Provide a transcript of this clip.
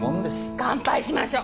乾杯しましょう！